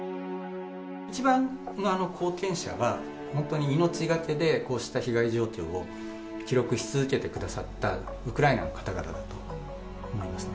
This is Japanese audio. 一番の貢献者は、本当に命懸けで、こうした被害状況を記録し続けてくださったウクライナの方々だと思いますね。